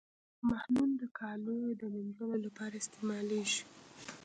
محلول یې د کالیو د مینځلو لپاره استعمالیږي.